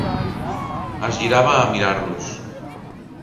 Es girava a mirar-los.